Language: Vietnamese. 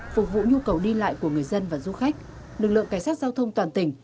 phục vụ nhu cầu đi lại của người dân và du khách lực lượng cảnh sát giao thông toàn tỉnh